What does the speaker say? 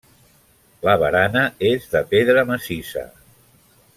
La barana és de pedra massissa.